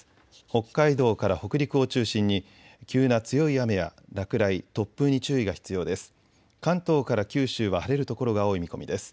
北海道から北陸を中心に急な強い雨や落雷、突風に注意が必要です。